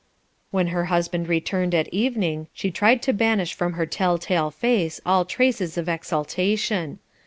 When her husband returned at evening she tried to banish from her tell tale face all traces of exultation.